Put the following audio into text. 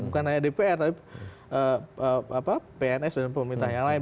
bukan hanya dpr tapi pns dan pemerintah yang lain